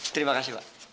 terima kasih pak